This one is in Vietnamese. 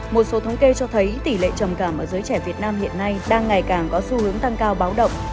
một số thống kê cho thấy tỷ lệ trầm cảm ở giới trẻ việt nam hiện nay đang ngày càng có xu hướng tăng cao báo động